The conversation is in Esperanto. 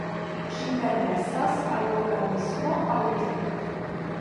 Ĝi permesas al organismo aŭdi.